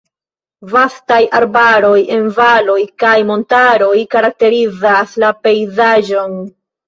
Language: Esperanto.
Vastaj arbaroj en valoj kaj montaroj karakterizas la pejzaĝon.